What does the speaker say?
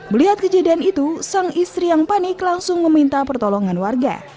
melihat kejadian itu sang istri yang panik langsung meminta pertolongan warga